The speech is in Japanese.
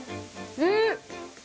うん！